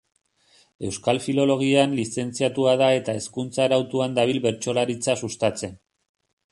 Euskal Filologian lizentziatua da eta hezkuntza arautuan dabil bertsolaritza sustatzen.